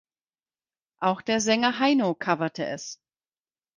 Auch der Sänger Heino coverte es.